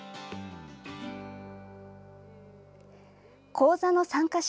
講座の参加者